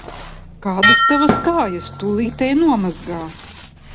Kādas Tavas kājas! Tūlīt ej nomazgā!